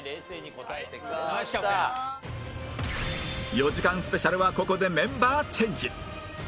４時間スペシャルはここでメンバーチェンジ